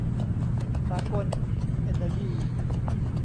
สากล เอนเนอยี